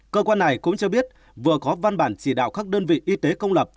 cơ quan này cũng cho biết vừa có văn bản chỉ đạo các đơn vị y tế công lập